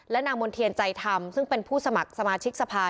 และนางมนเทียนใจทำซึ่งเป็นผู้สมัครสมาชิกสภา